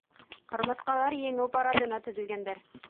Ҡырмыҫҡалар еңеү парадына теҙелгәндәр.